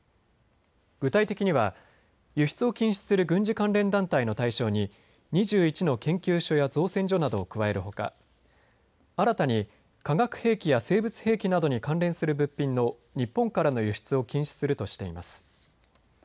具体的には輸出を禁止する軍事関連団体の対象に２１の研究所や造船所などを加えるほか、新たに化学兵器や生物兵器などに関連する物品の日本からの輸出を禁止するとしています。